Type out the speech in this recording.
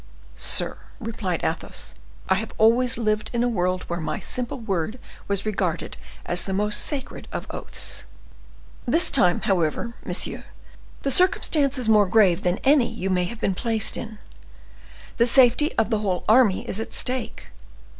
"Sir," replied Athos, "I have always lived in a world where my simple word was regarded as the most sacred of oaths." "This time, however, monsieur, the circumstance is more grave than any you may have been placed in. The safety of the whole army is at stake.